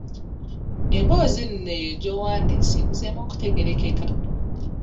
Emboozi nno eyo gy'owandiise ebuzeemu okutegeerekeka.